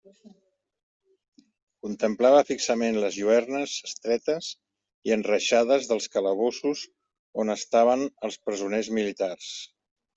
Contemplava fixament les lluernes estretes i enreixades dels calabossos on estaven els presoners militars.